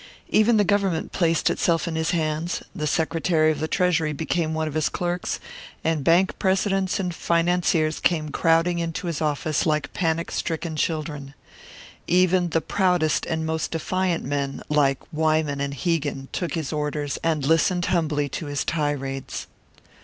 Even the Government placed itself in his hands; the Secretary of the Treasury became one of his clerks, and bank presidents and financiers came crowding into his office like panic stricken children. Even the proudest and most defiant men, like Wyman and Hegan, took his orders and listened humbly to his tirades.